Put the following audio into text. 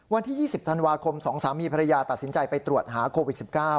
วันที่๒๐ธันวาคม๒สามีภรรยาตัดสินใจไปตรวจหาโควิด๑๙